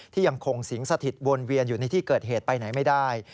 ยังคงสิงสถิตวนเวียนอยู่ในที่เกิดเหตุไปไหนไม่ได้